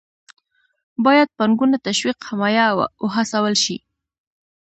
باید پانګونه تشویق، حمایه او وهڅول شي.